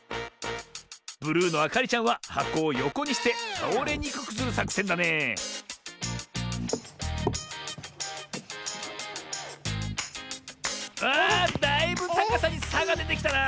ブルーのあかりちゃんははこをよこにしてたおれにくくするさくせんだねあだいぶたかさにさがでてきたな。